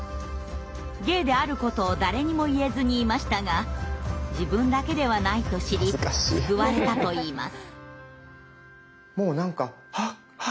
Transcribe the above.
ゲイであることを誰にも言えずにいましたが自分だけではないと知り救われたといいます。